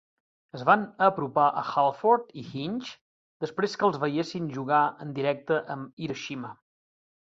Es van apropar a Halford i Hinch després que els veiessin jugar en directe amb Hiroshima.